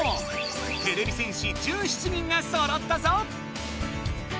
てれび戦士１７人がそろったぞ！